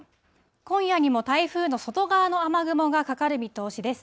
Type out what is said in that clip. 今夜にも台風の外側の雨雲がかかる見通しです。